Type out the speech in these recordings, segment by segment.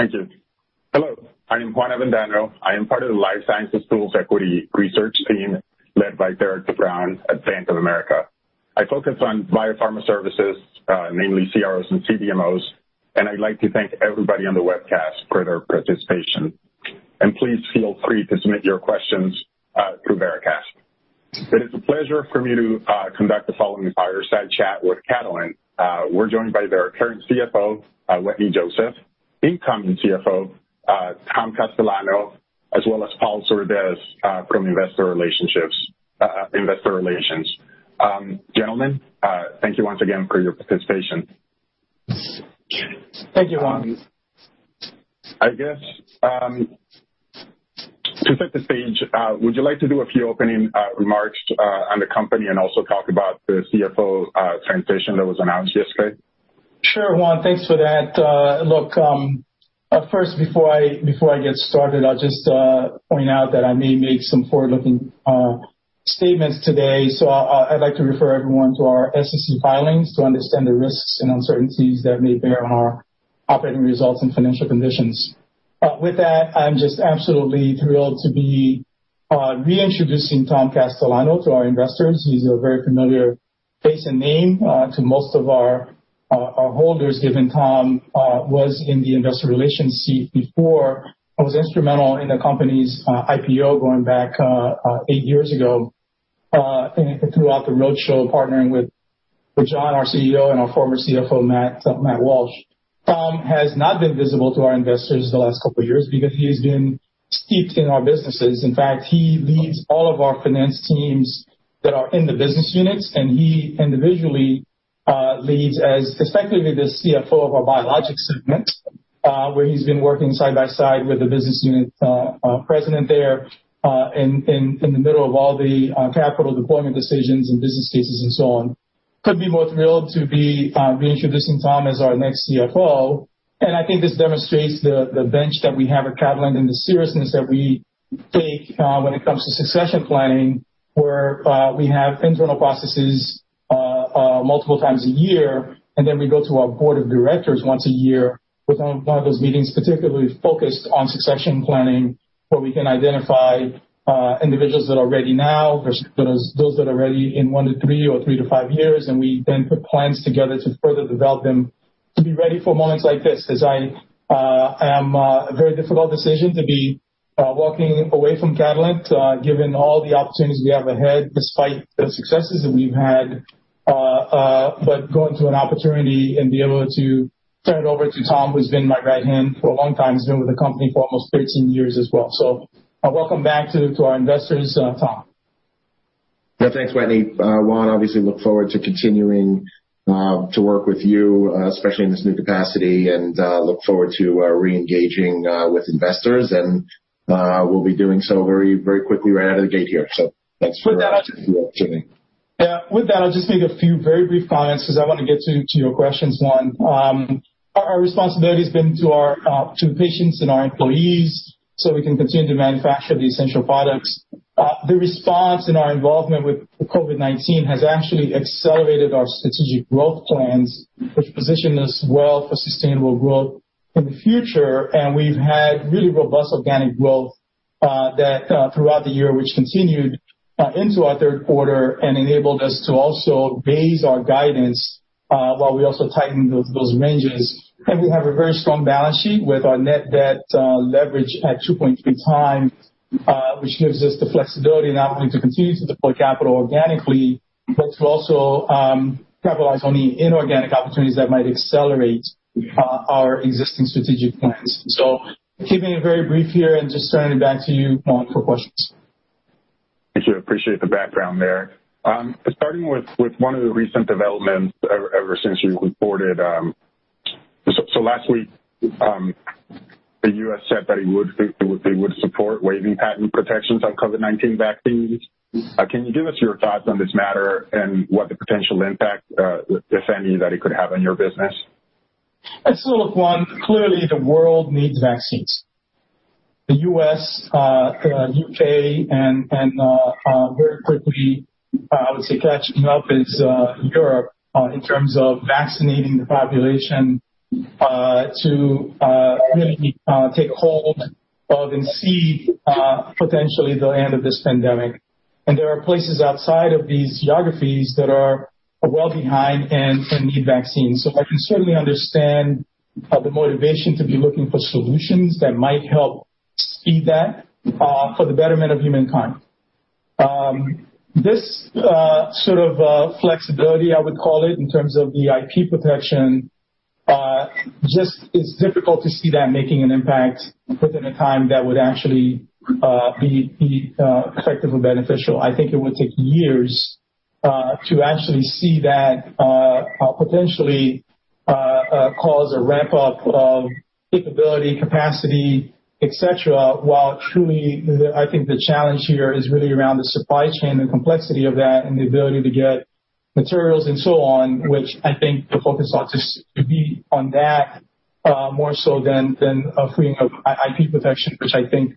Thank you. Hello. I'm Juan Avendaño. I am part of the Life Sciences Tools Equity Research Team led by Derik de Bruin at Bank of America. I focus on biopharma services, namely CROs and CDMOs, and I'd like to thank everybody on the webcast for their participation. Please feel free to submit your questions through Veracast. It is a pleasure for me to conduct the following fireside chat with Catalent. We're joined by their current CFO, Wetteny Joseph, incoming CFO, Tom Castellano, as well as Paul Surdez from Investor Relations. Gentlemen, thank you once again for your participation. Thank you, Juan. I guess, to set the stage, would you like to do a few opening remarks on the company and also talk about the CFO transition that was announced yesterday? Sure, Juan. Thanks for that. Look, first, before I get started, I'll just point out that I may make some forward-looking statements today. So I'd like to refer everyone to our SEC filings to understand the risks and uncertainties that may bear on our operating results and financial conditions. With that, I'm just absolutely thrilled to be reintroducing Tom Castellano to our investors. He's a very familiar face and name to most of our holders, given Tom was in the investor relations seat before. He was instrumental in the company's IPO going back eight years ago and throughout the roadshow, partnering with John, our CEO, and our former CFO, Matt Walsh. Tom has not been visible to our investors the last couple of years because he has been steeped in our businesses. In fact, he leads all of our finance teams that are in the business units, and he individually leads as effectively the CFO of our biologics segment, where he's been working side by side with the business unit president there in the middle of all the capital deployment decisions and business cases and so on. Couldn't be more thrilled to be reintroducing Tom as our next CFO, and I think this demonstrates the bench that we have at Catalent and the seriousness that we take when it comes to succession planning, where we have internal processes multiple times a year, and then we go to our board of directors once a year with one of those meetings particularly focused on succession planning, where we can identify individuals that are ready now versus those that are ready in one to three or three to five years. We then put plans together to further develop them to be ready for moments like this. It's a very difficult decision to be walking away from Catalent, given all the opportunities we have ahead, despite the successes that we've had, but going to an opportunity and be able to turn it over to Tom, who's been my right hand for a long time. He's been with the company for almost 13 years as well. Welcome back to our investors, Tom. Yeah, thanks, Wetteny. Juan, obviously, look forward to continuing to work with you, especially in this new capacity, and look forward to reengaging with investors. And we'll be doing so very, very quickly right out of the gate here. So thanks for the opportunity. With that, I'll just make a few very brief comments because I want to get to your questions, Juan. Our responsibility has been to our patients and our employees so we can continue to manufacture the essential products. The response and our involvement with COVID-19 has actually accelerated our strategic growth plans, which positioned us well for sustainable growth in the future. And we've had really robust organic growth throughout the year, which continued into our third quarter and enabled us to also raise our guidance while we also tighten those ranges. And we have a very strong balance sheet with our net debt leverage at 2.3x, which gives us the flexibility not only to continue to deploy capital organically, but to also capitalize on the inorganic opportunities that might accelerate our existing strategic plans. So keeping it very brief here and just turning it back to you, Juan, for questions. Thank you. I appreciate the background there. Starting with one of the recent developments ever since you reported, so last week, the U.S. said that it would support waiving patent protections on COVID-19 vaccines. Can you give us your thoughts on this matter and what the potential impact, if any, that it could have on your business? Absolutely, Juan. Clearly, the world needs vaccines. The U.S., the U.K., and very quickly, I would say, catching up is Europe in terms of vaccinating the population to really take hold of and see potentially the end of this pandemic, and there are places outside of these geographies that are well behind and need vaccines, so I can certainly understand the motivation to be looking for solutions that might help speed that for the betterment of humankind. This sort of flexibility, I would call it, in terms of the IP protection, just is difficult to see that making an impact within a time that would actually be effective or beneficial. I think it would take years to actually see that potentially cause a ramp-up of capability, capacity, etc., while truly, I think the challenge here is really around the supply chain and complexity of that and the ability to get materials and so on, which I think the focus ought to be on that more so than freeing up IP protection, which I think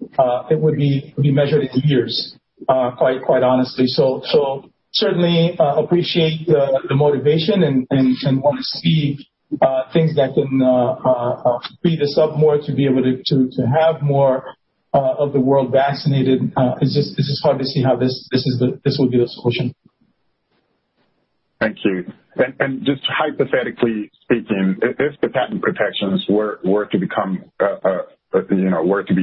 it would be measured in years, quite honestly. So certainly appreciate the motivation and want to see things that can speed this up more to be able to have more of the world vaccinated. It's just hard to see how this would be the solution. Thank you. And just hypothetically speaking, if the patent protections were to be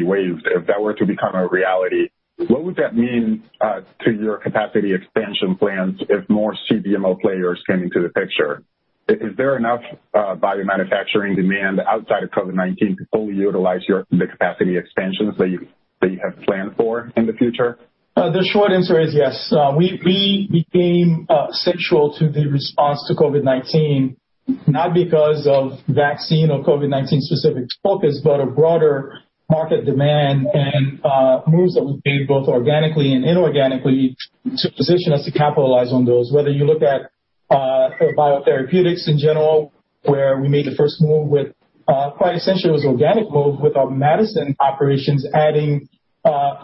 waived, if that were to become a reality, what would that mean to your capacity expansion plans if more CDMO players came into the picture? Is there enough biomanufacturing demand outside of COVID-19 to fully utilize the capacity expansions that you have planned for in the future? The short answer is yes. We became central to the response to COVID-19, not because of vaccine or COVID-19 specific focus, but a broader market demand and moves that we've made both organically and inorganically to position us to capitalize on those. Whether you look at biotherapeutics in general, where we made the first move with quite essential organic moves with our medicine operations, adding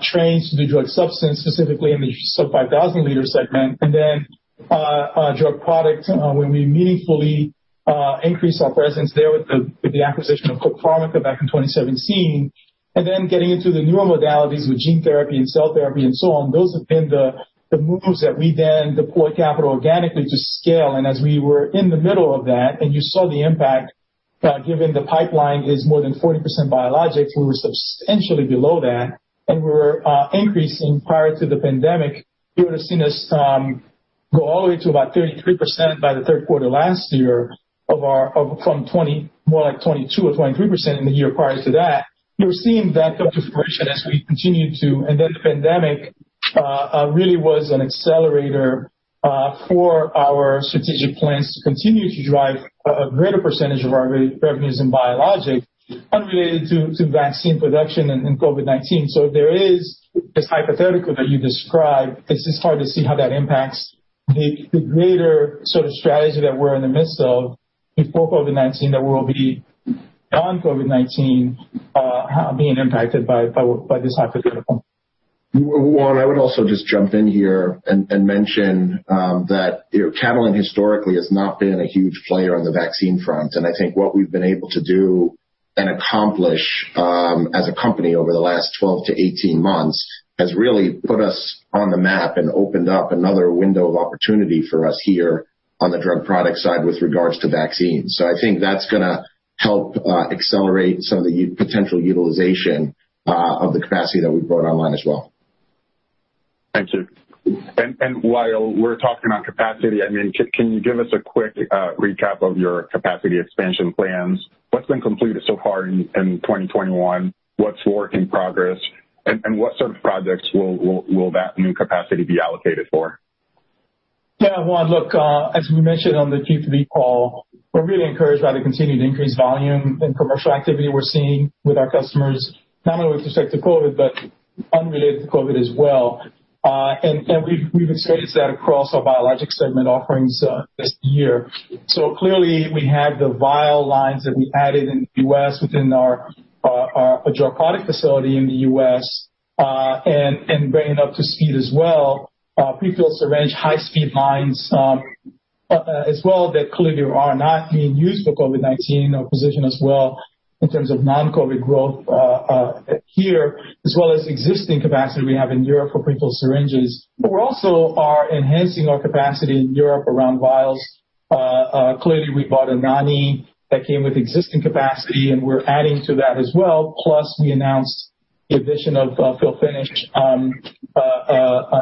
trains to the drug substance, specifically in the sub-5,000-liter segment, and then drug products when we meaningfully increased our presence there with the acquisition of Cook Pharmica back in 2017, and then getting into the newer modalities with gene therapy and cell therapy and so on. Those have been the moves that we then deployed capital organically to scale. As we were in the middle of that, you saw the impact, given the pipeline is more than 40% biologics. We were substantially below that. We were increasing prior to the pandemic. You would have seen us go all the way to about 33% by the third quarter last year from more like 22% or 23% in the year prior to that. You are seeing that come to fruition as we continue to, and then the pandemic really was an accelerator for our strategic plans to continue to drive a greater percentage of our revenues in biologics unrelated to vaccine production and COVID-19. So there is, as hypothetically that you describe, it is just hard to see how that impacts the greater sort of strategy that we are in the midst of before COVID-19, that will be non-COVID-19 being impacted by this hypothetical. Juan, I would also just jump in here and mention that Catalent historically has not been a huge player on the vaccine front. And I think what we've been able to do and accomplish as a company over the last 12-18 months has really put us on the map and opened up another window of opportunity for us here on the drug product side with regards to vaccines. So I think that's going to help accelerate some of the potential utilization of the capacity that we brought online as well. Thank you. And while we're talking on capacity, I mean, can you give us a quick recap of your capacity expansion plans? What's been completed so far in 2021? What's work in progress? And what sort of projects will that new capacity be allocated for? Yeah, Juan, look, as we mentioned on the 3Q call, we're really encouraged by the continued increased volume and commercial activity we're seeing with our customers, not only with respect to COVID, but unrelated to COVID as well. We've experienced that across our biologics segment offerings this year. Clearly, we have the vial lines that we added in the U.S. within our drug product facility in the U.S. and bringing up to speed as well. Pre-filled syringe, high-speed lines as well that clearly are not being used for COVID-19 or position as well in terms of non-COVID growth here, as well as existing capacity we have in Europe for pre-filled syringes. We also are enhancing our capacity in Europe around vials. Clearly, we bought Anagni that came with existing capacity, and we're adding to that as well. Plus, we announced the addition of fill-finish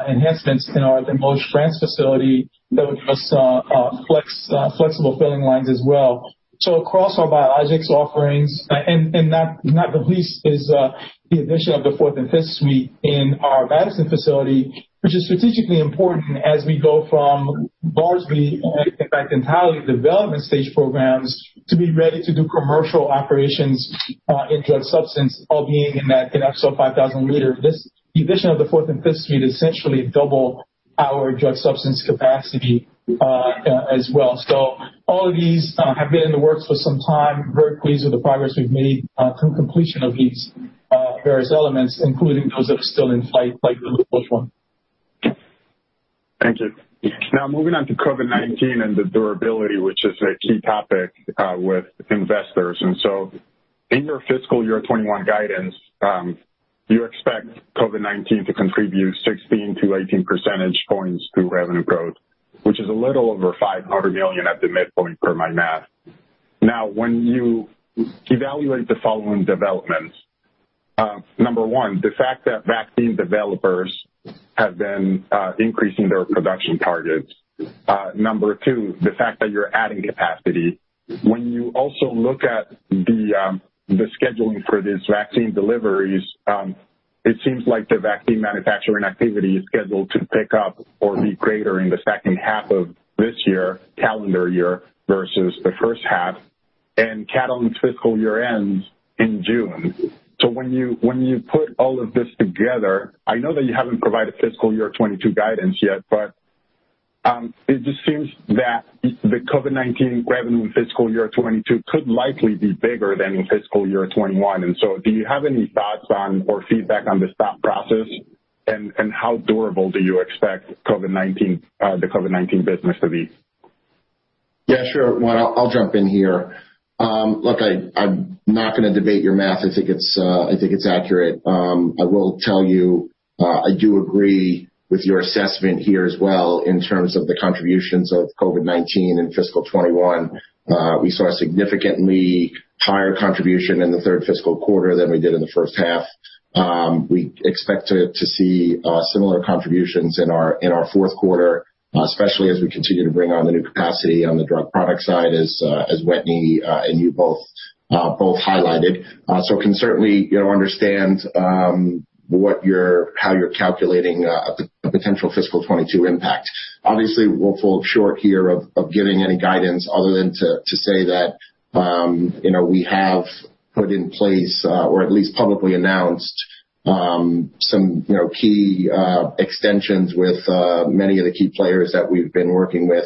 enhancements in our Limoges, France facility that would give us flexible filling lines as well. So across our biologics offerings, and not the least is the addition of the fourth and fifth suite in our Madison facility, which is strategically important as we go from largely entirely development stage programs to be ready to do commercial operations in drug substance, all being in that sub-5,000-liter. The addition of the fourth and fifth suite essentially doubled our drug substance capacity as well. So all of these have been in the works for some time. Very pleased with the progress we've made through completion of these various elements, including those that are still in flight, like the [little bush one]. Thank you. Now, moving on to COVID-19 and the durability, which is a key topic with investors, and so in your fiscal year 2021 guidance, you expect COVID-19 to contribute 16-18 percentage points to revenue growth, which is a little over $500 million at the midpoint per my math. Now, when you evaluate the following developments, number one, the fact that vaccine developers have been increasing their production targets. Number two, the fact that you're adding capacity, when you also look at the scheduling for these vaccine deliveries, it seems like the vaccine manufacturing activity is scheduled to pick up or be greater in the second half of this year, calendar year, versus the first half, and Catalent's fiscal year ends in June. When you put all of this together, I know that you haven't provided fiscal year 2022 guidance yet, but it just seems that the COVID-19 revenue in fiscal year 2022 could likely be bigger than in fiscal year 2021. And so do you have any thoughts on or feedback on the thought process, and how durable do you expect the COVID-19 business to be? Yeah, sure. Juan, I'll jump in here. Look, I'm not going to debate your math. I think it's accurate. I will tell you I do agree with your assessment here as well in terms of the contributions of COVID-19 in fiscal 2021. We saw a significantly higher contribution in the third fiscal quarter than we did in the first half. We expect to see similar contributions in our fourth quarter, especially as we continue to bring on the new capacity on the drug product side, as Wetteny and you both highlighted. So can certainly understand how you're calculating a potential fiscal 2022 impact. Obviously, we'll fall short here of giving any guidance other than to say that we have put in place or at least publicly announced some key extensions with many of the key players that we've been working with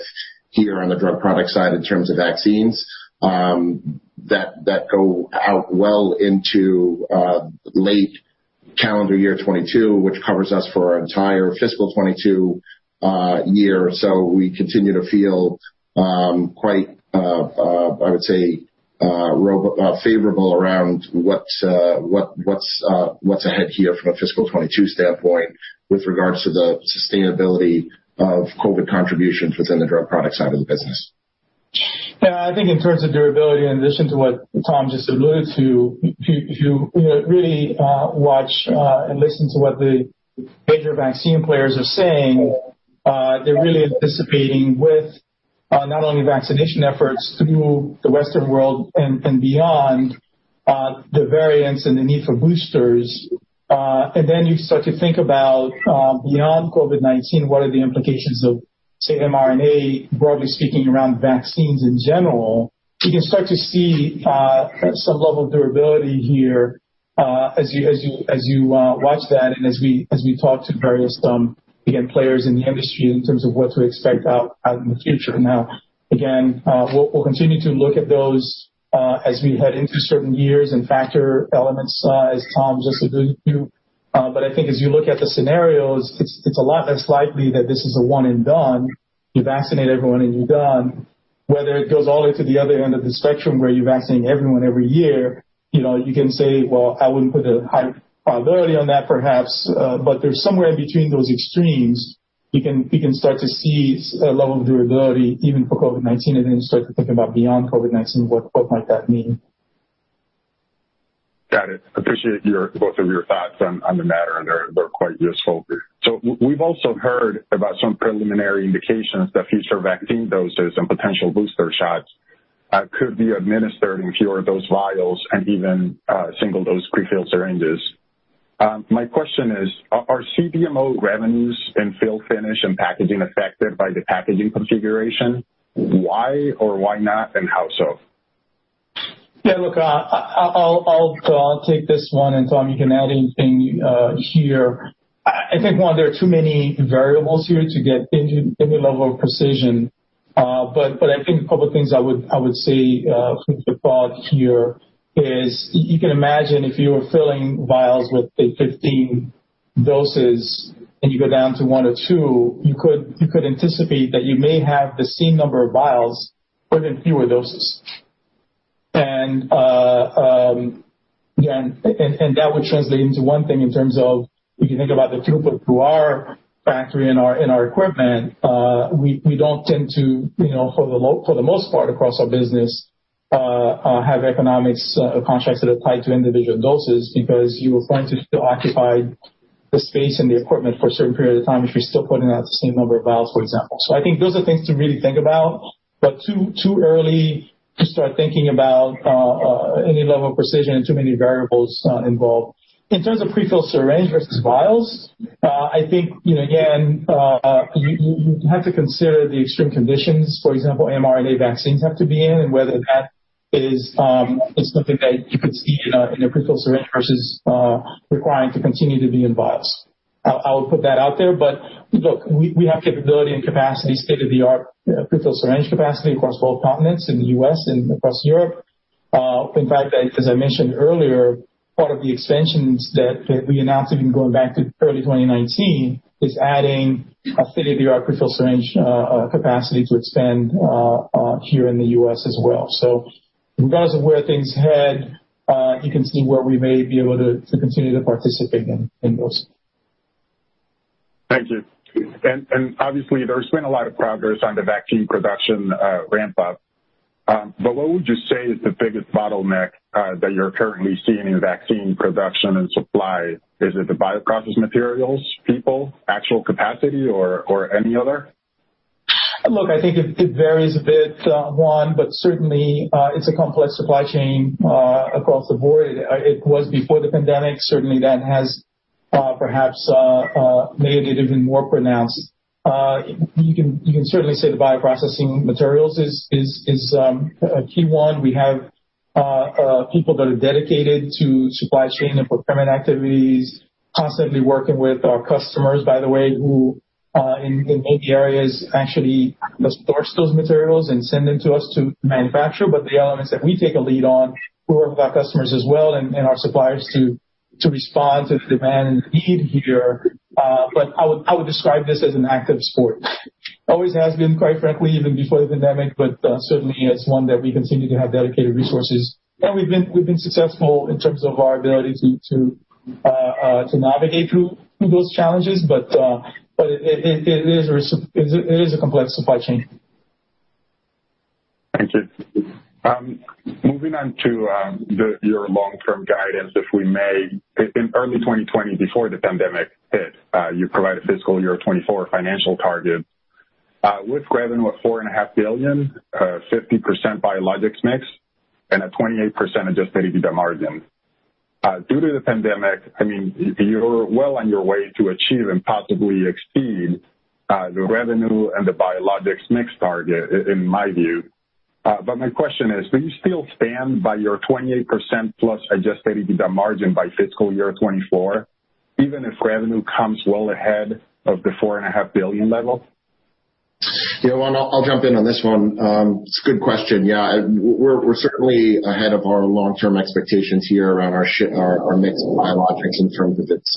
here on the drug product side in terms of vaccines that go out well into late calendar year 2022, which covers us for our entire fiscal 2022 year. So we continue to feel quite, I would say, favorable around what's ahead here from a fiscal 2022 standpoint with regards to the sustainability of COVID contributions within the drug product side of the business. Yeah, I think in terms of durability, in addition to what Tom just alluded to, if you really watch and listen to what the major vaccine players are saying, they're really anticipating with not only vaccination efforts through the Western world and beyond, the variants and the need for boosters. And then you start to think about beyond COVID-19, what are the implications of, say, mRNA, broadly speaking, around vaccines in general. You can start to see some level of durability here as you watch that and as we talk to various, again, players in the industry in terms of what to expect out in the future. Now, again, we'll continue to look at those as we head into certain years and factor elements as Tom just alluded to. But I think as you look at the scenarios, it's a lot less likely that this is a one and done. You vaccinate everyone and you're done. Whether it goes all the way to the other end of the spectrum where you're vaccinating everyone every year, you can say, "Well, I wouldn't put a high probability on that, perhaps." But there's somewhere in between those extremes, you can start to see a level of durability even for COVID-19, and then start to think about beyond COVID-19, what might that mean. Got it. I appreciate both of your thoughts on the matter, and they're quite useful. So we've also heard about some preliminary indications that future vaccine doses and potential booster shots could be administered in fewer dose vials and even single-dose pre-filled syringes. My question is, are CDMO revenues in fill-finish and packaging affected by the packaging configuration? Why or why not, and how so? Yeah, look, I'll take this one, and Tom, you can add anything here. I think, Juan, there are too many variables here to get any level of precision. But I think a couple of things I would say for thought here is you can imagine if you were filling vials with, say, 15 doses and you go down to one or two, you could anticipate that you may have the same number of vials but in fewer doses. And that would translate into one thing in terms of if you think about the throughput through our factory and our equipment. We don't tend to, for the most part, across our business, have economics contracts that are tied to individual doses because you're going to still occupy the space and the equipment for a certain period of time if you're still putting out the same number of vials, for example. So I think those are things to really think about, but too early to start thinking about any level of precision and too many variables involved. In terms of pre-filled syringe versus vials, I think, again, you have to consider the extreme conditions, for example, mRNA vaccines have to be in, and whether that is something that you could see in a pre-filled syringe versus requiring to continue to be in vials. I will put that out there. But look, we have capability and capacity, state-of-the-art pre-filled syringe capacity across both continents in the U.S. and across Europe. In fact, as I mentioned earlier, part of the extensions that we announced even going back to early 2019 is adding a state-of-the-art pre-filled syringe capacity to expand here in the U.S. as well. So regardless of where things head, you can see where we may be able to continue to participate in those. Thank you. And obviously, there's been a lot of progress on the vaccine production ramp-up. But what would you say is the biggest bottleneck that you're currently seeing in vaccine production and supply? Is it the bioprocess materials, people, actual capacity, or any other? Look, I think it varies a bit, Juan, but certainly, it's a complex supply chain across the board. It was before the pandemic. Certainly, that has perhaps made it even more pronounced. You can certainly say the bioprocessing materials is a key one. We have people that are dedicated to supply chain and procurement activities, constantly working with our customers, by the way, who in many areas actually source those materials and send them to us to manufacture. But the elements that we take a lead on, we work with our customers as well and our suppliers to respond to the demand and the need here. But I would describe this as an active sport. Always has been, quite frankly, even before the pandemic, but certainly, it's one that we continue to have dedicated resources. We've been successful in terms of our ability to navigate through those challenges, but it is a complex supply chain. Thank you. Moving on to your long-term guidance, if we may. In early 2020, before the pandemic hit, you provided fiscal year 2024 financial targets with revenue of $4.5 billion, 50% biologics mix, and a 28% adjusted EBITDA margin. Due to the pandemic, I mean, you're well on your way to achieve and possibly exceed the revenue and the biologics mix target, in my view. But my question is, will you still stand by your 28%+ adjusted EBITDA margin by fiscal year 2024, even if revenue comes well ahead of the $4.5 billion level? Yeah, Juan, I'll jump in on this one. It's a good question. Yeah, we're certainly ahead of our long-term expectations here around our mix of biologics in terms of its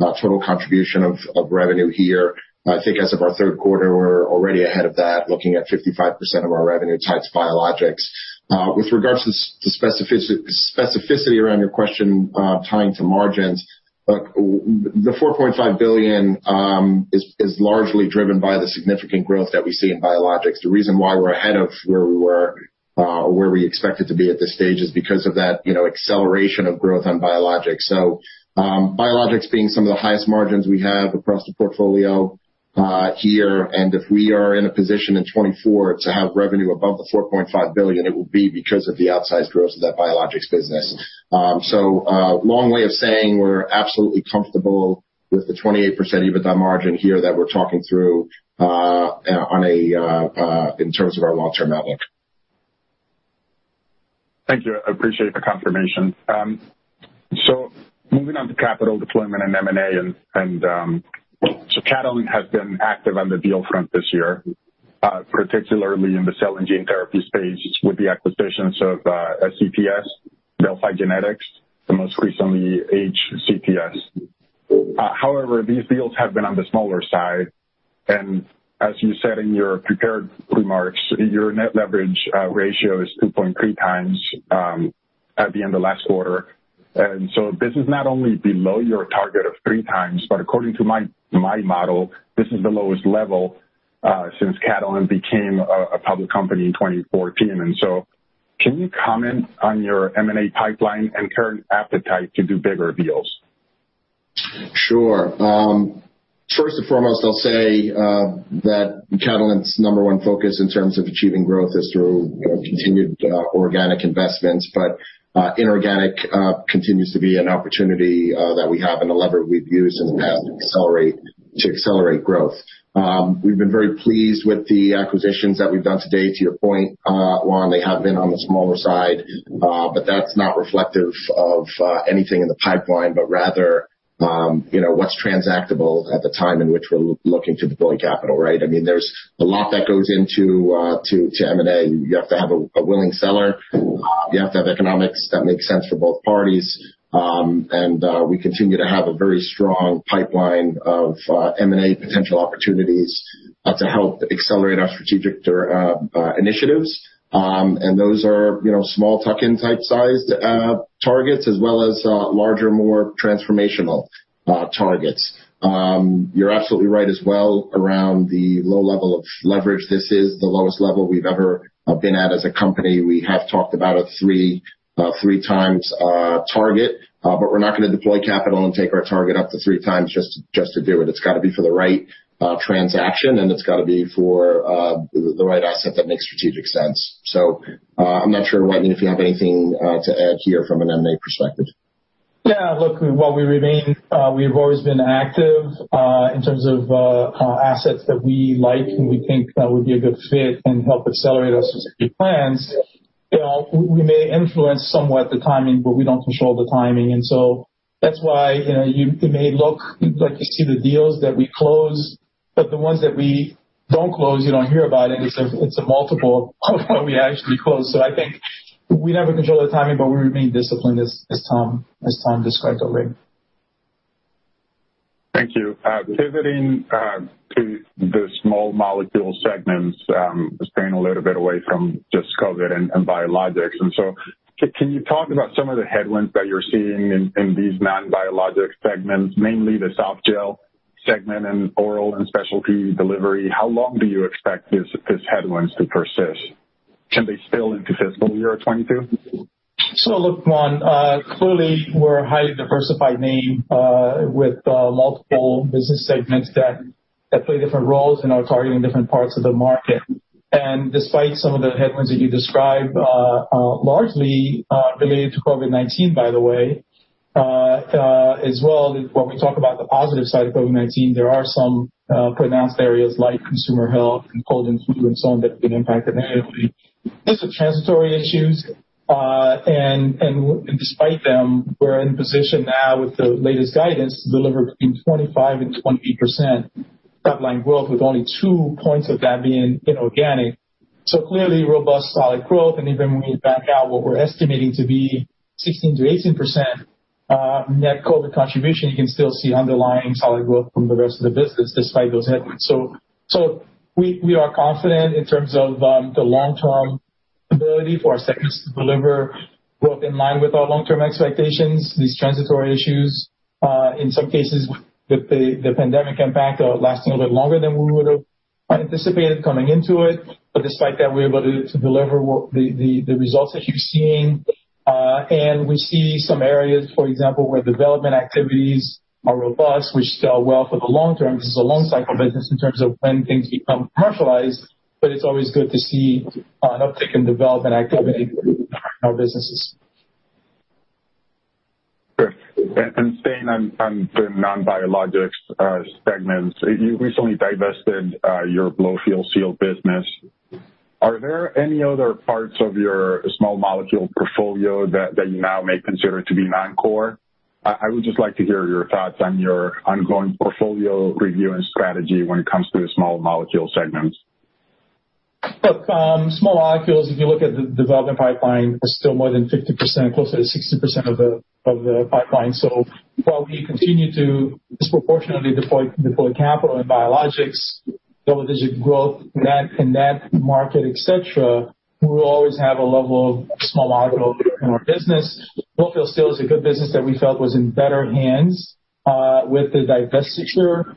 total contribution of revenue here. I think as of our third quarter, we're already ahead of that, looking at 55% of our revenue tied to biologics. With regards to the specificity around your question tying to margins, the $4.5 billion is largely driven by the significant growth that we see in biologics. The reason why we're ahead of where we were or where we expect it to be at this stage is because of that acceleration of growth on biologics. So biologics being some of the highest margins we have across the portfolio here. And if we are in a position in 2024 to have revenue above $4.5 billion, it will be because of the outsized growth of that biologics business. So long way of saying we're absolutely comfortable with the 28% EBITDA margin here that we're talking through in terms of our long-term outlook. Thank you. I appreciate the confirmation. So moving on to capital deployment and M&A. So Catalent has been active on the deal front this year, particularly in the cell and gene therapy space with the acquisitions of SCTS, Delphi Genetics, and most recently HCTS. However, these deals have been on the smaller side. And as you said in your prepared remarks, your net leverage ratio is 2.3x at the end of last quarter. And so this is not only below your target of 3x, but according to my model, this is the lowest level since Catalent became a public company in 2014. And so can you comment on your M&A pipeline and current appetite to do bigger deals? Sure. First and foremost, I'll say that Catalent's number one focus in terms of achieving growth is through continued organic investments. But inorganic continues to be an opportunity that we have and a lever we've used in the past to accelerate growth. We've been very pleased with the acquisitions that we've done today. To your point, Juan, they have been on the smaller side, but that's not reflective of anything in the pipeline, but rather what's transactable at the time in which we're looking to deploy capital, right? I mean, there's a lot that goes into M&A. You have to have a willing seller. You have to have economics that make sense for both parties. And we continue to have a very strong pipeline of M&A potential opportunities to help accelerate our strategic initiatives. And those are small-tuck-in type sized targets as well as larger, more transformational targets. You're absolutely right as well around the low level of leverage. This is the lowest level we've ever been at as a company. We have talked about a 3x target, but we're not going to deploy capital and take our target up to 3x just to do it. It's got to be for the right transaction, and it's got to be for the right asset that makes strategic sense. So I'm not sure, Wetteny, if you have anything to add here from an M&A perspective. Yeah, look, while we remain, we have always been active in terms of assets that we like and we think that would be a good fit and help accelerate our strategic plans, we may influence somewhat the timing, but we don't control the timing. And so that's why it may look like you see the deals that we close, but the ones that we don't close, you don't hear about it. It's a multiple of what we actually close. So I think we never control the timing, but we remain disciplined as Tom described already. Thank you. Pivoting to the small molecule segments, staying a little bit away from just COVID and biologics. And so can you talk about some of the headwinds that you're seeing in these non-biologic segments, mainly the softgel segment and oral and specialty delivery? How long do you expect these headwinds to persist? Can they spill into fiscal year 2022? So look, Juan, clearly, we're a highly diversified name with multiple business segments that play different roles and are targeting different parts of the market. And despite some of the headwinds that you describe, largely related to COVID-19, by the way, as well, when we talk about the positive side of COVID-19, there are some pronounced areas like consumer health and cold and flu and so on that have been impacted negatively. These are transitory issues. And despite them, we're in a position now with the latest guidance to deliver between 25% and 28% top-line growth, with only two points of that being inorganic. So clearly, robust solid growth. And even when we back out what we're estimating to be 16%-18% net COVID contribution, you can still see underlying solid growth from the rest of the business despite those headwinds. So we are confident in terms of the long-term ability for our segments to deliver growth in line with our long-term expectations. These transitory issues, in some cases with the pandemic impact, are lasting a little bit longer than we would have anticipated coming into it. But despite that, we're able to deliver the results that you're seeing. And we see some areas, for example, where development activities are robust, which sell well for the long-term. This is a long-cycle business in terms of when things become commercialized, but it's always good to see an uptick in development activity in our businesses. Sure. And staying on the non-biologics segment, you recently divested your blow-fill-seal business. Are there any other parts of your small molecule portfolio that you now may consider to be non-core? I would just like to hear your thoughts on your ongoing portfolio review and strategy when it comes to the small molecule segments. Look, small molecules, if you look at the development pipeline, are still more than 50%, closer to 60% of the pipeline, so while we continue to disproportionately deploy capital in biologics, double-digit growth in that market, etc., we will always have a level of small molecule in our business. Blow-fill-seal is a good business that we felt was in better hands with the divestiture,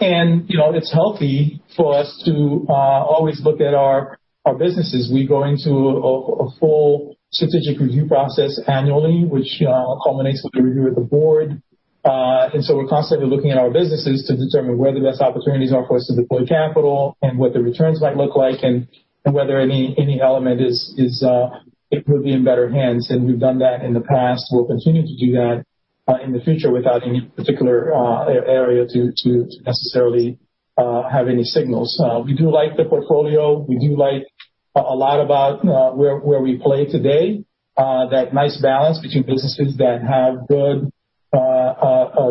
and it's healthy for us to always look at our businesses. We go into a full strategic review process annually, which culminates with a review with the board, and so we're constantly looking at our businesses to determine where the best opportunities are for us to deploy capital and what the returns might look like and whether any element would be in better hands, and we've done that in the past. We'll continue to do that in the future without any particular area to necessarily have any signals. We do like the portfolio. We do like a lot about where we play today, that nice balance between businesses that have good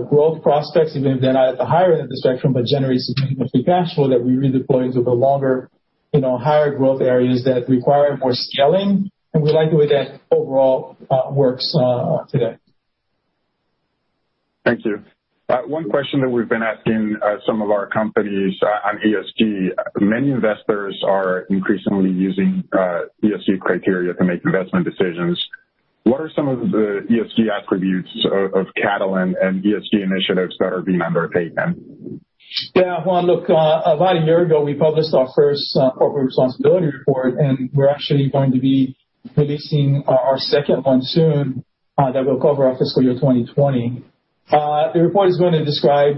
growth prospects, even if they're not at the higher end of the spectrum, but generate significant free cash flow that we redeploy into the longer, higher growth areas that require more scaling, and we like the way that overall works today. Thank you. One question that we've been asking some of our companies on ESG. Many investors are increasingly using ESG criteria to make investment decisions. What are some of the ESG attributes of Catalent and ESG initiatives that are being undertaken? Yeah, Juan, look, about a year ago, we published our first corporate responsibility report, and we're actually going to be releasing our second one soon that will cover our fiscal year 2020. The report is going to describe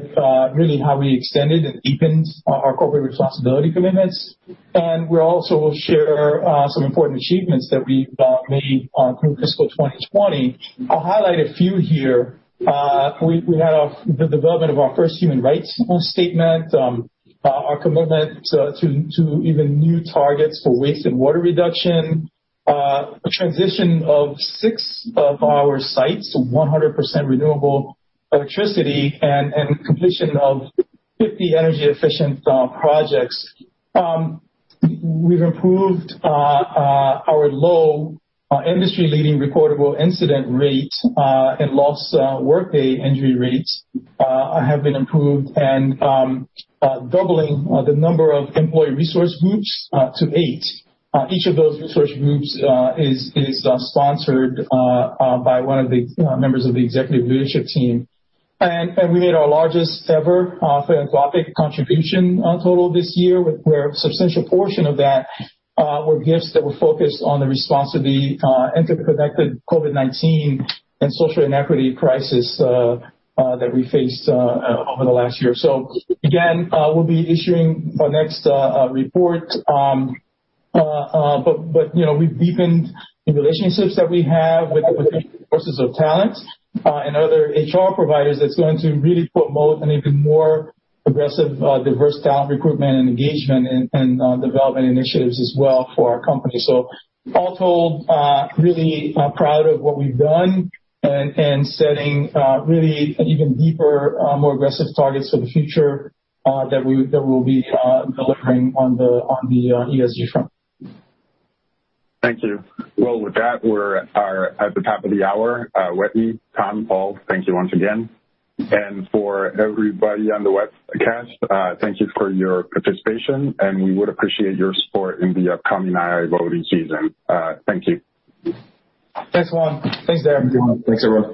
really how we extended and deepened our corporate responsibility commitments, and we'll also share some important achievements that we've made through fiscal 2020. I'll highlight a few here. We had the development of our first human rights statement, our commitment to even new targets for waste and water reduction, a transition of six of our sites to 100% renewable electricity, and completion of 50 energy-efficient projects. We've improved our low industry-leading recordable incident rate and lost workday injury rates have been improved and doubling the number of employee resource groups to eight. Each of those resource groups is sponsored by one of the members of the executive leadership team. And we made our largest ever philanthropic contribution total this year, where a substantial portion of that were gifts that were focused on the response to the interconnected COVID-19 and social inequity crisis that we faced over the last year. So again, we'll be issuing our next report. But we've deepened the relationships that we have with potential sources of talent and other HR providers that's going to really promote an even more aggressive, diverse talent recruitment and engagement and development initiatives as well for our company. So all told, really proud of what we've done and setting really even deeper, more aggressive targets for the future that we will be delivering on the ESG front. Thank you. With that, we're at the top of the hour. Wetteny, Tom, Paul, thank you once again. And for everybody on the Veracast, thank you for your participation, and we would appreciate your support in the upcoming proxy voting season. Thank you. Thanks, Juan. Thanks, Derik. Thanks, everyone.